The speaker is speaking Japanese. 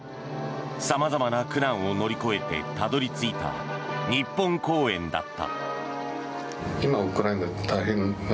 様々な苦難を乗り越えてたどり着いた日本公演だった。